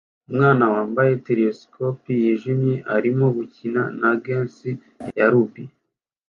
Umwana wambaye stereoscope yijimye arimo gukina na gants ya rubber